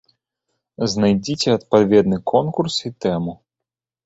Знайдзіце адпаведны конкурс і тэму.